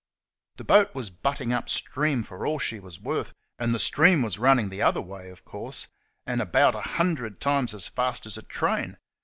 The boat was butting up stream for all she was worth, and the stream was running the other way, of course, and about a hundred times as fast as a train.